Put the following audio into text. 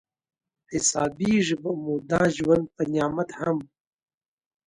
حسابېږي به مو دا ژوند په نعمت هم